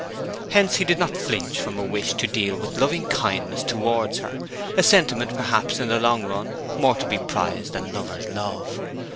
Hence he did not flinch from a wish to deal with loving kindness towards her a sentiment perhaps in the long run more to be prized than lover's love.